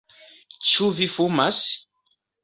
Ĉu vi fumas?